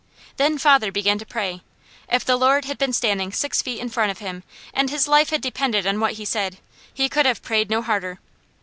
Then father began to pray. If the Lord had been standing six feet in front of him, and his life had depended on what he said, he could have prayed no harder.